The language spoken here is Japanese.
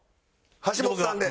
橋本さんで。